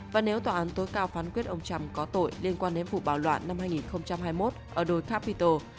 và nếu tòa án tối cao phán quyết ông trump có tội liên quan đến vụ bạo loạn năm hai nghìn hai mươi một ở đồi capito